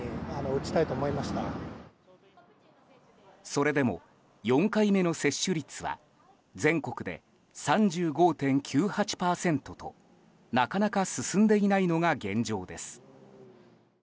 それでも４回目の接種率は全国で３５．９８％となかなか進んでいないのが現状です。